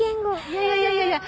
いやいやいやいやいや！